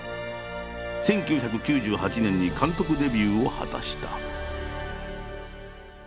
１９９８年に監督デビューを果たした。